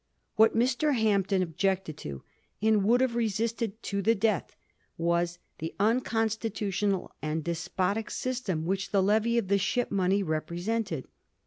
"What Mr. Hampden objected to, and would have resisted to the death, was the unconstitutional and despotic system which the levy of the ship money represented.